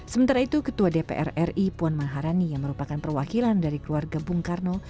sementara itu ketua dpr ri puan maharani yang merupakan perwakilan dari keluarga bung karno